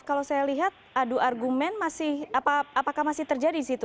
kalau saya lihat adu argumen apakah masih terjadi di situ